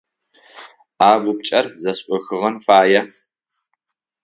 А упчIэр зэшIохыгъэн фае.